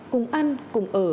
cùng ăn cùng ở